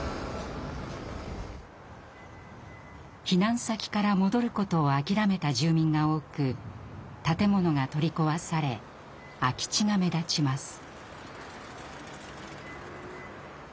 避難先から戻ることを諦めた住民が多く建物が取り壊され空き地が目立ちます。